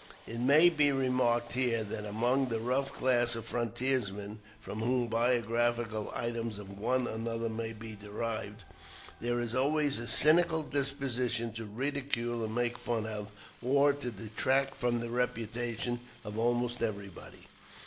It may be remarked here that among the rough class of frontiersmen from whom biographical items of one another may be derived, there is always a cynical disposition to ridicule and make fun of, or to detract from the reputation of, almost everybody.